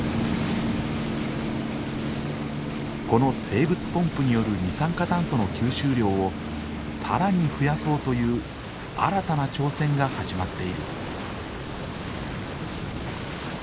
この生物ポンプによる二酸化炭素の吸収量を更に増やそうという新たな挑戦が始まっている。